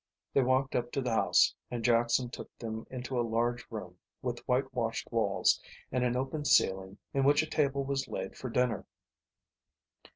They walked up to the house, and Jackson took them into a large room with white washed walls and an open ceiling in which a table was laid for dinner.